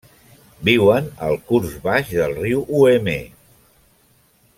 Viuen al curs baix del riu Ouémé.